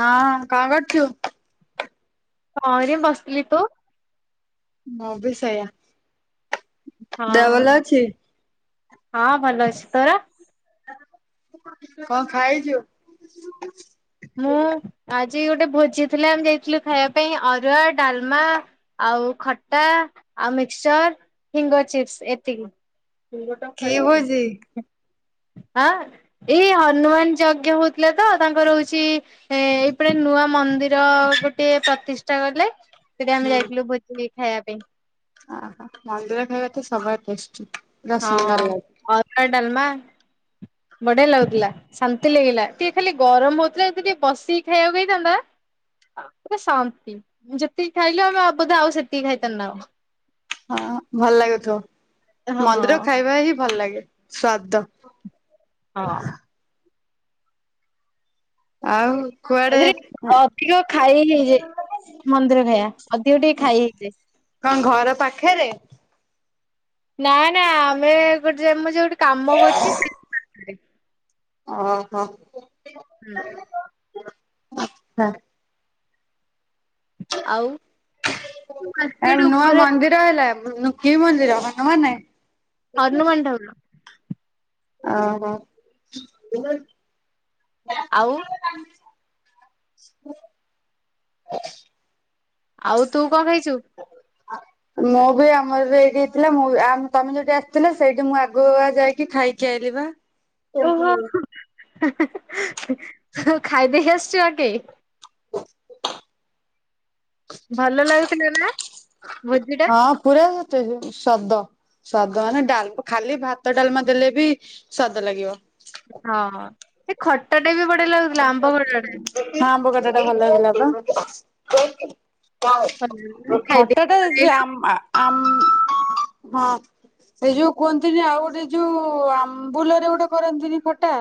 ହଁ କନ୍ କରଚୁ? ହଁରେ ବସଥିଲି। ତୁ? ମୁଁ ବି ସେ ୟା। ଦେହ ହଁ ଭଲ ଅଛି? ହଁ ଭଲ ଅଛି। ତୋର? କଣ ଖାଇଚୁ? ମୁଁ ଆଜି ଗୋଟେ ଭୋଜି ଥିଲା ଆମେ ଯାଇଥିଲୁ ଖାଇବା ପାଇଁ ଅରୁଆ, ଡାଲମା, ଆଉ ଖଟା ଆଉ ମିକ୍ସଚର ଫିଙ୍ଗର ଚିପ୍ସ ଏତିକି। ଫୁଗୋ ଟା କି ଖାଇ ଭୋଜି? ତ। ହଁ। ଏଇ ହନୁମାନ ଯଜ୍ଞ ହୋଉ ତ ତାଙ୍କ ରହୁଛି କିଛି ଏ ଏଇପଟେ ନୂଆ ମନ୍ଦିର ଗୋଟେ ପ୍ରତିଷ୍ଠା କଲେ। ସେଥି ଆମେ ଯାଇଥିଲୁ ଭୋଜି ଖା ଖାଇବା ପାଇଁ ଅହୋ ମନ୍ଦିର ଖାଇବା ତ ସବୁବେଳେ ଟେଷ୍ଟି। ପୁରା ସୁନ୍ଦର ଲାଗେ ହଁ ଡାଲ୍ ମା ବଢିଆ ଲାଗୁଥିଲା ଶାନ୍ତି ଲାଗିଲା ଟିକେ ଖାଲି ଗରମ ହଉଥିଲା ଯି ଟିକେ ବସିକି ଖାଇବାକୁ ହେଇଥାନ୍ତା ଆଉ ଶାନ୍ତି ଯେତିକି ଖାଇଲୁ ଆମେ ଆଉ ବୋଧ ଆଉ ସେତିକି ଖାଇଥାନ୍ତୁ ନା କଣ ହଁ ଭଲ ଲାଗୁଥିବ ହଁ ମନ୍ଦିର ଖାଇବା ହିଁ ଭଲ ଲାଗେ ସ୍ୱାଦ ହଁ। ଆଉ। କୁଆଡେ ଏଥିରେ ଅଧିକ ଖାଇ ହେଇଯାଏ ମନ୍ଦିର ଖାଇବା ଅଧିକ ଟିକେ ଖାଇ ହେଇଯାଏ। କଣ ଘର ପାଖରେ? ନା ନା ଆମେ ଗୋଟେ ଯ ମୁ ଯଉଠି କାମ କରୁଛି ଫ୍ଲିପ୍ କାର୍ଟରେ ଓ ହୋ। ହୁଁ। ହଁ [unintelligible] ଆଉ ମେଟ ଉପରେ [inaudible] ନଖି ମନ୍ଦିର ନାଇଁ [inaudible] ଅର୍ଣ ମଣ୍ଡଉଣ [inaudible] ଓ ହୋ ଆଉ। [inaudible] ଆଉ ତୁ କଣ ଖଇଛୁ। ମୁଁ ବି ଆମର ବି ଏଇଠି ହେଇଥିଲା ମୁଁ ଆଉ ତମେ ଯୋଠି ଆସିଥିଲ, ସେଇଠି ମୁଁ ଆଗୁ ଯାଇକି ଖାଇକି ଆଇଲିପା। ହ [inaudible] ଖାଇଦେ ଆସ୍। [unintelligible] ଆଗେ। ଭଲ ଲାଗୁଥିଲା ନା। ଭୋଜି ଟା ହଁ ପୁରା ସ୍ୱାଦ। ସ୍ବାଦ ମାନେ ଡାଲ ଖାଲି ଭାତ ଡାଲମା ଦେଲେବି ସ୍ବାଦ ଲାଗିବ। ହଁ ହଁ ସେ ଖଟା ଟା ବି ବଢିଆ ଲାଗୁଥିଲା ଆମ୍ବ ଖଟା ଟା ହଁ ଆମ୍ବ ଖଟା ଟା ଭଲ ହେଲା ପା। କକ [inaudible] ଖାଇଦେଇକି ଖଟଟା ଆ ପଳେଇଲୁ। [unintelligible] ଆମ ହଁ ସେଇ ଯୋଉ କୁହନ୍ତିନି ଆଉ ଗୋଟେ ଯୋଉ ଆମ୍ବୁଲରେ ଗୋଟେ କରନ୍ତିନି ଖଟା।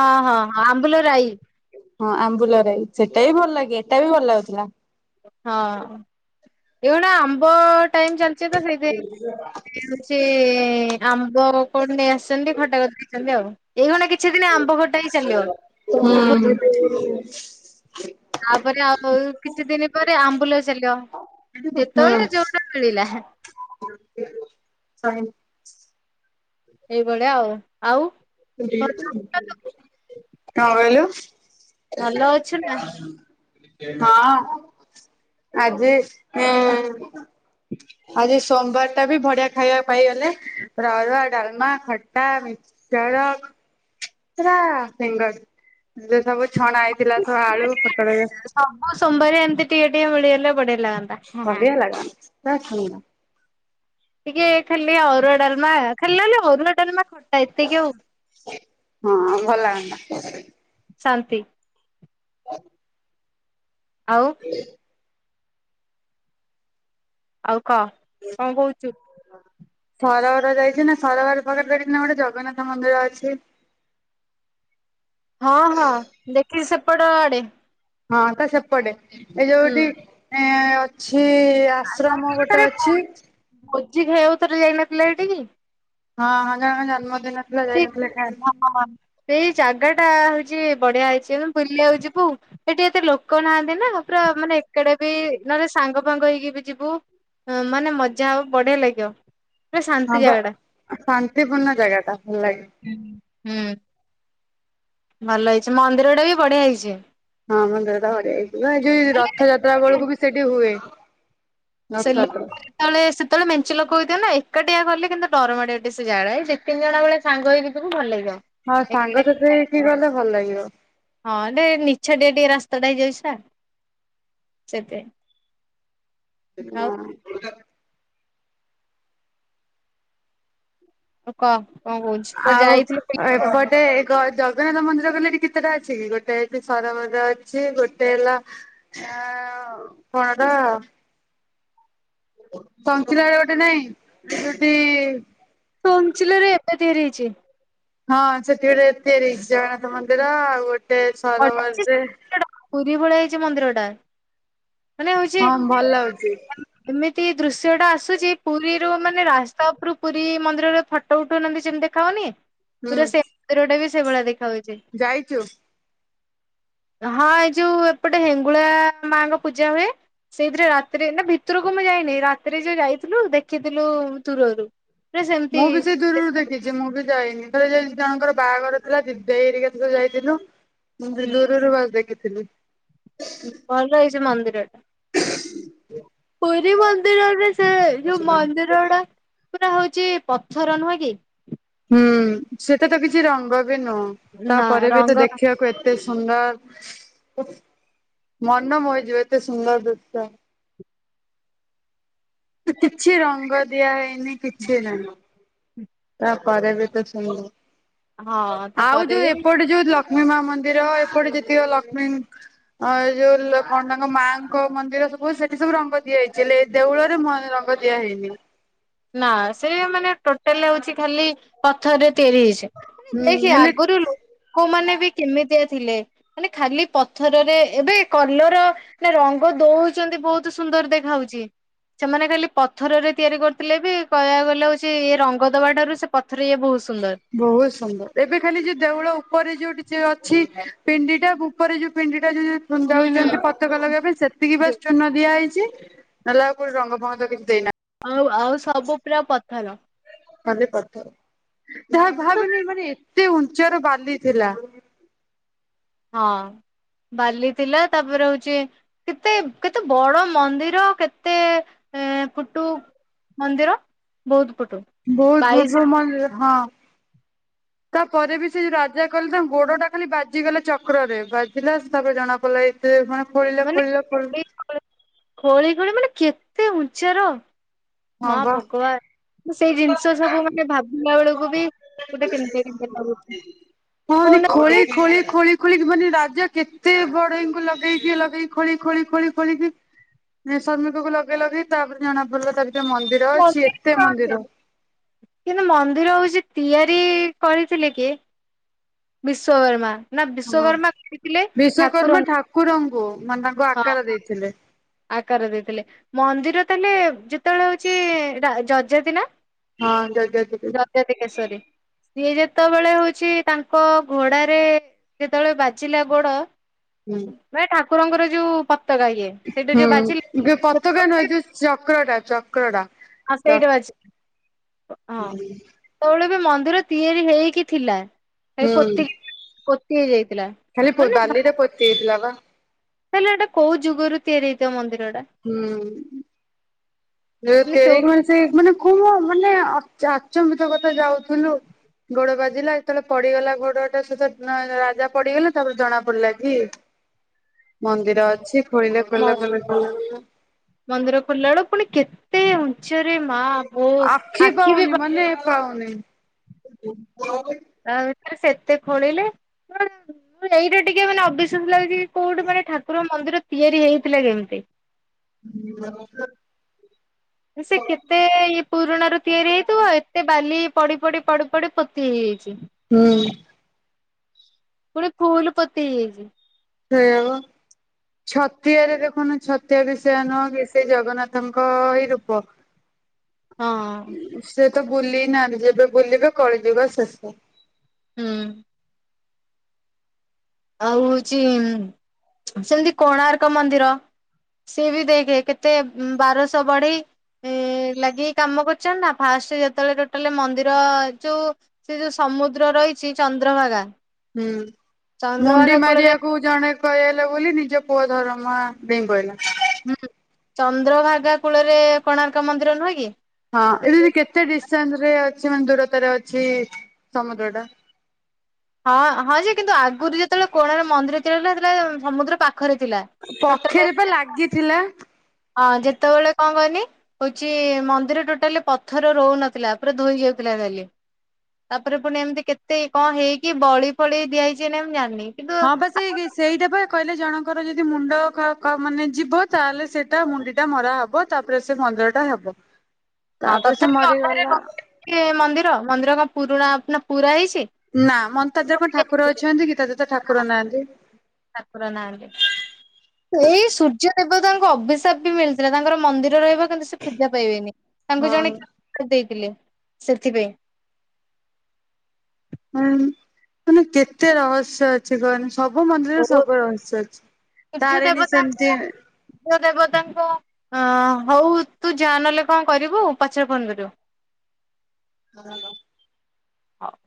ହଁ ହଁ ଆମ୍ବୁଲରାଇ। ହଁ ଆମ୍ବୁଲରାଇ। ସେଟା ବି ଭଲ ଲାଗେ, ଏଟା ବି ଭଲ ଲାଗୁଥିଲା। ହଁ ଏଗୁଡା ଆମ୍ବ ଟାଇମ ଚାଲିଚି ଏବେ ସେଇଥିପାଇଁ ହେଉଛି ଏ ଆମ୍ବ କନ ନେଇଆସ୍ ସେମତି ଖଟା କରିଦେଇଛନ୍ତି ଆଉ। ଏଦିନ କିଛି ଦିନ ଆମ୍ବ ଖଟା ହିଁ ଚାଲିବ ହୁଁ ତାପରେ ଆଉ କିଛି ଦିନ ପରେ ଆମ୍ବୁଲ ଚାଲିବ, ହୁଁ ଯେତେବେଳେ ଯୋଉଟା ମିଳିଲା। ଶହି। ଏଇଭଳିଆ ଆଉ ।ଆଉ କହିଲୁ ଭଲ ଅଛୁ ନା? [inaudible] ହଁ ଆଜି ଉଁ ଆଜି ସୋମବାର ଟା ବି ବଢିଆ ଖାଇବା ପାଇଗଲେ ରରୁଆ, ଡାଲମା, ଖଟା, ମିକ୍ସଚର। ସିଙ୍ଗର ଯେ ସବୁ ଛଣା ହେଇଥିଲା [inaudible] ସବୁ ଆଳୁ ପୋଟଳ ସବୁ ସୋମବାର ଏମିତି ଟିକେ ଟିକେ ମିଳି ଥିଲେ ବଡ଼ି ବଢି଼ଆ ଲାଗନ୍ତା [unintelligible] ଟିକେ ଖାଲି ଅରୁଆ ଡାଲମା ହେଲାଲୋ ଅରୁଆ ଡାଲମା ଖଟା। ଏତିକି ଆଉ ହଁ ଭଲ ଲାଗନ୍ତା। [inaudible] ଶାନ୍ତି। [inaudible] ଆଉ ଆଉ କହ କଣ କହୁଛୁ ସରବର ଯାଇଛୁ ନା ସରବର ପାଖରେ ଦେଖିଛୁନା ଗୋଟେ ଜଗନ୍ନାଥ ମନ୍ଦିର ଅଛି। ହଁ ହଁ ଦେଖିଚି ସେପଟ ଆଡେ। ହଁ ତ ସେପଟେ। ଏ ହୁଁ ଯୋଉଠି ଏଁ ଅଛି। କି ଆଶ୍ରମ ଗୋଟେ ଅଛି। ଜି ଖାଇବାକୁ ଥରେ ଯାଇନଥିଲେ ହେଠିକି ହଁ ହଁ ଜଣଙ୍କ ଜନ୍ମଦିନ ଥିଲା ହ ଯାଇନଥିଲେ ହଁ ହ। [inaudible] ସେଇ ଜାଗା ଟା ହେଉଚି ବଢିଆ ହେଇଛି ଆମେ ବୁଲିବାକୁ ଯା ଯିବୁ ଏଠି ଏତେ ଲୋକ ନାହାନ୍ତି ନା ପୁରା ମାନେ ଏକେଡେ ବି ନହେଲେ ସାଙ୍ଗ ଫାଙ୍ଗ ହେଇକି ବି ଯିବୁ ମାନେ ମଜା ଆଉ ବଢିଆ ଲାଗିବ। ପୁରା ହଁ ଶାନ୍ତି ବା ଜାଗା ଟା। ଶାନ୍ତିପୂର୍ଣ୍ଣ ଜାଗା ଟା। ଭଲ ଲାଗେ। ହୁଁ ହୁଁ। ଭଲ ହେଇଛି ମନ୍ଦିରଟା ବି ବଢିଆ ହେଇଛି। ହଁ ମନ୍ଦିର ତ ବଢିଆ ହେଇଛି, ଏ ଯଉ ରଥଯାତ୍ରା ହେଲେ ବେଳକୁ ବି ସେଠି ହୁଏ। ସେ ରଥଯାତ୍ରା। ଲୋକ ଯେତେଳେ ସେତେବେଳେ ମେଞ୍ଚେ ଲୋକ କହିଦିଅ ନା ଏକାଟିଆ କଲେ କିନ୍ତୁ ଡରମାଡେ [unintelligible] ସେ ଯାହାଟା ଏ ଦି ତିନି ଜଣ ବେଳେ ସାଙ୍ଗ ହେଇକି ଯିବୁ ଭଲ ଲାଗିିବ। ହଁ ସାଙ୍ଗସାଥୀ ହେଇକି ଗଲେ ଭଲ ଲାଗିବ। [inaudible] ହଁ [unintelligible] ନିଛାଟିଆ ଟିକେ ରାସ୍ତା ଟା ହେଇ ଯାଉଛି ଆଉ ସେଥିପାଇଁ। ଆଉ ହଁ। ଆଉ କହ କଣ କହୁଛୁ କୁଆଡେ ଆଉ ଯାଇଥିଲୁ ବୁଲିବାକୁ? ଏପଟେ ଜଗନ୍ନାଥ ମନ୍ଦିର କହଲେ ଏଠି କେତେଟା ଅଛି କି ଗୋଟେ ହେଇଛି ସରବର ମନ୍ଦିର ଅଛି ଗୋଟେ ହେଲା। ହ। ହଣଦ [inaudible] ସଂଖଚିଲାରେ ଗୋଟେ ନାଇଁ ଯୋଠି ସଂଖାଚିଲାରେ ଏବେ ତିଆରି ହେଇଛି। ହଁ ସେତେବେଳେ ଏଥିେ ଜଗନ୍ନାଥ ମନ୍ଦିର ଆଉ। ସରୋବରରେ କଟା ପୁରୀ ଭଳିଆ [unintelligible] ମନ୍ଦିର ଟା। ହଁ ଭଲ ଅଛି। ଦୃଶ୍ୟ ଟା ଆସୁଚି ପୁରୀରୁ ମାନେ ରାସ୍ତା ଉପରୁ ପୁରୀ ମନ୍ଦିରରେ ଫଟୋ ଉଠୁନାହାନ୍ତି ସେମିତି ଦେଖା ହଉନି? ପୁରା ସେ ରୋଡେ ବି [unintelligible] ସେଇଭଳିଆ ଦେଖାଯାଉଛି। ଯାଇଚୁ? ହଁ ଏଇ ଯୋଉ ଏପଟେ ହେଙ୍ଗୁଳା ମାଙ୍କ ପୂଜା ହୁଏ ସେଇଥିରେ ରାତିରେ ନା ଭିତରକୁ ମୁଁ ଯାଇନି ରାତିରେ ଯୋଉ ଯାଇଥିଲୁ ଦେଖିଥିଲୁ ଦୂରରୁ। ପୁରା ସେମିତି ମୁଁ ବି ସେ ଦୂରରୁ ଦେଖିଛି ମୁଁ ବି ଯାଇନି ଥରେ ଯ ଜଣଙ୍କର ବାହାଘର ଥିଲା ଦି ଦେଇ ହେରିକା ସହ ଯାଇଥିଲୁ। ମୁ ଦୂରରୁ ବାସ ଦେଖି ଥିଲି। ଭଲ ହେଇଛି ମନ୍ଦିର ଟା। ପୁରୀ ମନ୍ଦିରରେ ସେ ଯୋଉ ମନ୍ଦିର ଡା। ପୁରା ହଉଛି ପଥର ନୁହଁ କି? ହୁଁ ସେଟା ତ କିଛି ରଙ୍ଗ ନୁ ନା ତାପରେ ବି ଏ ତେ ରଙ୍ଗ ଦେଖିବାକୁ ଏତେ ସୁନ୍ଦର ମନ ମୋହି ଯିବ ଏତେ ମସୁନ୍ଦର ଦୃଶ୍ୟ । କିଛି ରଙ୍ଗ ଦିଆହେଇନି କିଛି ହେଲାନ ତାପରେବି ତ ସୁୁ ହଁ ଆଉ ତାପରେ ଯୋଉ ବି ଏପଟେ ଯୋଉ ଲ ଲକ୍ଷ୍ମୀ ମା ମନ୍ଦିର ଏପଟେ ଯେିତିବ ଲକ୍ଷ୍ମୀ ଅ ଯୋଉ କଣ ତାଙ୍କ ମାଙ୍କ ମନ୍ଦିର ସବୁ ସେଠି ସବୁ ରଙ୍ଗ ଦିଆ ହେଇଛି ହେଲେ ଦେଉଳରେ ରଙ୍ଗ ଦିଆ ହେଇନି ନା ସେ ମାନେ ଟୋଟାଲ ହଉଛି ଖାଲି ପଥରରେ ତିଆରି ହେଇଛି ମାନେ ହୁଁ ଦେଖେ ହେଲେ ଆଗରୁ ଲୋକମାନେ କେମିତିଆ ଥିଲେ ମାନେ ଖାଲି ପଥରରେ ଏବେ କଲର ନା ରଙ୍ଗ ଦଉଛନ୍ତି ବହୁତ ସୁନ୍ଦର ଦେଖା ହାଉଛି ସେମାନେ ଖାଲି ପଥରରେ ତିଆରି କର ଥିଲେ ବି କହିବାକୁ ଗଲେ ହଉଛି ରଙ୍ଗ ଦବା ଠାରୁ ସେ ପଥରେ ଏ ବହୁତ ସୁନ୍ଦର। ବହୁତ ସୁନ୍ଦର ଏବେ ଖାଲି ଯୋଉ ଦେଉଳ ଉପରେ ଯୋଉଠି ଅଛି ପିଣ୍ଡି ଟା ଉପରେ ଯୋଉ ପିଣ୍ଡି ଯି ହୁଁ ଯାଉଛନ୍ତି ହୁଁ ପତାକା ଲଗେଇବା ପାଇଁ ସେତିକି ବାସ୍ ଚୂନ ଦିଆ ହେଇଛି ନହେଲେ ଆଉ କୋଉଠି ରଙ୍ଗ ଫଙ୍ଗ କିଛି ଦେଇନାହି ହାଲୋ ମାନେ କରିଥାଉ ଯାହା ଭାବନି ମାନେ କେତେ ଉଞ୍ଚର ବାଲି ଥିଲା ହଁ ବାଲି ଥିଲା ତାପରେ ହଉଛି କେତେ କେତେ ବଡ ମନ୍ଦିର କେତେ ଫୁଟୁ ମନ୍ଦିର ବହୁତ ଫୁଟୁ ବହୁତ ବାଇଶ ପୁର୍ବରୁ ମନ୍ଦିର ହଁ ତାପରେ ବି ସେ ଯଉ ରାଜା କହିଲେ ତାଙ୍କ ଗୋଡ ଟା ଖାଲି ବାଜିଗଲା ଚକ୍ରରେ ବାଜିଲା ତାପରେ ଜଣା ପଡ଼ିଲା ଏତେ ମାନେ ଖୋଳିଲ ଖୋଳିଲ ଖୋ ମାନେ ଖୋଳି ଖୋଳି ମାନେ କେତେ ଉଚ୍ଚର ମା ହଁ ବା ଭଗବାନ ସେଇ ଜିନିଷ ସବୁ ମାନେ ଭାବିଲା ବେଳକୁ ବି ଗୋଟେ କେମିତିଆ କେମିତିଆ ଲାଗୁଛି ହଉନି ହଉନା ଖୋଳି ଖୋଳି ଖୋଳି ଖୋଳିକି ମାନେ ରାଜା କେତେ ବଢେଇଙ୍କୁ ଲଗେଇକି ଲଗେଇ ଖୋଳି ଖୋଳି ଖୋଳି ଖୋଳିକି ଶ୍ରମିକଙ୍କୁ ଲଗେଇ ଲଗେଇ ତାପରେ ଜଣା ପଡିଲା ଏତେ ମନ୍ଦିର ଅଛି ଏତେ ମନ୍ଦିର କିନ୍ତୁ ମନ୍ଦିର ହଉଛି ତିଆରି କରିଥିଲେ କିଏ ବିଶ୍ବବର୍ମା ହଁ ବିଶ୍ଵକର୍ମା ଠାକୁରଙ୍କୁ ମାନେ ତାଙ୍କୁ ହଁ ଆକାର ଦେଇଥିଲେ । ଆକାର ଦେଇଥିଲେ ମନ୍ଦିର ତାହେଲେ ଯେତେବେଳେ ହଉଛି ଯଜାତି ହଁ ଯଜାତି ଯଜାତିକେଷରି କେଶରୀ ସିଏ ଯେତେବେଳେ ହଉଛି ତାଙ୍କ ଘୋଡାରେ ଯେତେବେଳେ ବାଜିଲା ଗୋଡ ହୁଁ ନାଇ ଠାକୁର ଠାକୁରଙ୍କର ଯୋଉ ପତାକା ଇଏ ସେଇଟା ହୁଁ ଯୋଉ ବାଜିଲା ପତକା ନୁହେ ଯୋଉ ଚକ୍ର ଟା ଚକ୍ର କୋଉଟା ଆ ସେଇଟା ବାଜି ହଁ ସେତେବେଳେ ଏବେ ମନ୍ଦିର ତିଆରି ହେଇକି ଥିଲା। ହେଇ ହୁଁ ପୋତି ପୋତି ହେଇ ଯାଇଥିଲା। ଖାଲି ବାଲିରେ ପୋତିହେଇଥିଲା ବା ହେଲେ ଏଇଟା କୋଉ ଯୁଗରୁ ତିଆରି ହେଇଥିବ ମନ୍ଦିର ଟା ହୁଁ। ନା ସେ ମାନେ ସେ ମାନେ ଖୁ ମାନେ ଚାଚମ୍ୱିତ କଥା ଯାଉଛି। ଠୁଲୁ ଗୋଡ ବାଜି ବୁଝିଲା ଯେତେବେଳେ ପଡିଗଲା ଗୋଡ଼ଟା ସେତ ରାଜା ପଡିଗଲା ତାପରେ ଜଣା ପଡିଲା କି ମନ୍ଦିର ଅଛି ଖୋଳିଲେ ଖୋଳିଲେ ଖୋଲିଲେ ଛରେ ମା ମୋ ଆଖି ବି ପାଉନି ମାନେ ପାଉନି ଆଉ [unintelligible] ସେତେ ଖୋଳିଲେ ଏଇଟା ଟିକେ ମାନେ ଅବିଶ୍ୱାସ ଲାଗୁଛି। କୋଉଠି ମାନେ ଠାକୁର ମନ୍ଦିର ତିଆରି ହେଇଥିଲା କେମିତି ହଁ। ସେ କେତେ ଇଏ ପୁରୁଣ ର ତିଆରି ହେଇଥିବ ଆଉ ଏତେ ବାଲି ପଡି ପଡି ପଡି ପଡି ପୋତି ହେଇଯାଇଛି। ହୁଁ। ଗୋଟେ ଫୁଲ ପତି ହେଇଯାଇଛି। ସେଇଆବ ଛତିଆରେ ଦେଖନୁ ଛତିଆ ବି ସେୟ ନୁହଁ କି ସେ ଜଗନ୍ନାଥଙ୍କ ହିଁ ରୂପ ହଁ। ସେ ତ ବୁଲି ନାହାନ୍ତି ଯେବେ ବୁଲିବେ କଳିଯିବ ଶେଷ ହୁଁ। ଆଉ ହଉଛି ସେମିତି କୋଣାର୍କ ମନ୍ଦିର ସେି ବି ଦେଖେ କେତେ ବାରଶହ ବଢେଇ ଲାଗି କାମ କରୁଚ ନା ଫାଷ୍ଟ ଯେତେବେଳେ ଟୋଟାଲ ମନ୍ଦିର ଯୋଉ ସେ ଯୋଉ ସମୁଦ୍ର ରହିଛି ଚନ୍ଦ୍ରଭାଗା ହୁଁ। ମୁଣ୍ଡି ଚନ୍ଦ୍ରଭାଗା କୂଳରେ ମାରିବାକୁ ଜଣେ କହେଲା ବୋଲି ନିଜ ପୁଅ ଧର ଦମ ପହିଲ [unintelligible] ହୁଁ ଚନ୍ଦ୍ରଭାଗା କୂଳରେ କୋଣାର୍କ ମନ୍ଦିର ନୁହେଁ କି? ହଁ ନି କେତେ ଦିଷ୍ଟାଂଶରେ ଅ ମାନ ଦୂରତାରେ ଅଛି ସମୁଦ୍ର ଟା। ହଁ ହଁ ଯେ କିନ୍ତୁ ଆଗରୁ ଯେତେବେଳେ କୋଣାର୍କ ରେ ମନ୍ଦିର ତିଆରି ସେତେବେଳେ ସମୁଦ୍ର ପାଖ ପଖେରେ ପା ଲାଗିଥିଲା। ହଁ ଯେତେବେଳେ କଣ କହନି କଉଛି ମନ୍ଦିର ଟୋଟାଲି ପଥର ରହୁନଥିଲା ପୁରା ଧୋଇ ଯାଉଥିଲା ଖାଲି ତାପରେ ପୁଣି ଏମିତି କେତେ କଣ ହେଇକି ବଳି ଫଳି ଦିଆ ହୋଇଛି ମୁ ଜାଣିନି। କିନ୍ତୁ ହଁ ବା ସେଇ ସେଇଟା ବା କହିଲେ ଜଣଙ୍କର ଯଦି ମୁଣ୍ଡ ମାନେ ଯିବ ତାହେଲେ ସେଟା ମୁଣ୍ଡି ଟା ମରା ହବ ତାପରେ ସେ ମନ୍ଦିର ଟା ହବ। ହଁ ତାପରେ ସେ ତଥାପି ମରିଗଲା। ଅଧାରେ ମନ୍ଦିର ମନ୍ଦିର କ ପୁରୁଣା ଆପ ପୁରା ହେଇଚି ନା ମନତାଜ କଣ ଠାକୁର ଅଛନ୍ତି କି ତା ଦେହ ତ ଠାକୁର ନାହାନ୍ତି। ଠାକୁର ନାହାନ୍ତି ଏଇ ସୂର୍ଯ୍ୟ ଦେବତାଙ୍କ ଅଭିଶାପ ବି ମିଳିଥିଲା ତାଙ୍କର ମନ୍ଦିର ରହିବା କିନ୍ତୁ ସେ ପୂଜା ପାଇବେନି ତାଙ୍କୁ ଜଣେ ହଁ। କିଏ ଅଭିଶାପ ଦେଇଥିଲେ। ସେଥିପାଇଁ। ହଁ ମାନେ କେତେ ରହସ୍ୟ ଅଛି କହନି। ସବୁ ମନ୍ଦିରରେ ସବୁ ରହସ୍ୟ ଅଛି। ସୂର୍ଯ୍ୟ ତାରିଣୀ ଦେବତା ସେମିତି ସୂର୍ଯ୍ୟ ଦେବତାଙ୍କ ହଉ ତୁ ଯା ନହେଲେ କଣ କରିବୁ ପଛରେ ଫୋନ କରିବୁ। [unintelligible] ହୋଉ।